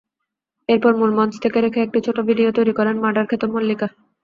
এরপর মূল মঞ্চ পেছনে রেখে একটি ছোট ভিডিও তৈরি করেন মার্ডার–খ্যাত মল্লিকা।